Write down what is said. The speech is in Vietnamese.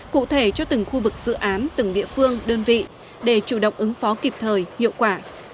cụ thể cho từng khu vực dự án từng địa phương đơn vị để chủ động ứng phó kịp thời hiệu quả